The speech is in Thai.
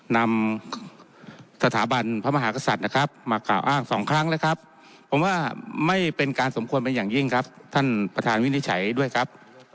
นำสถาบันพระมหากษัตริย์นะครับ